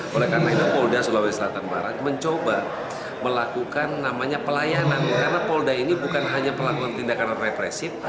pelayanan karena polda ini bukan hanya pelakukan tindakan represif